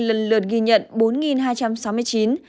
lần lượt ghi nhận bốn hai trăm sáu mươi chín